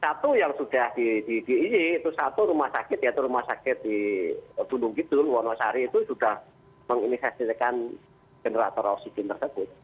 satu yang sudah di gii itu satu rumah sakit ya itu rumah sakit di tunduk gitu luar masyari itu sudah menginvestasikan generator oksigen tersebut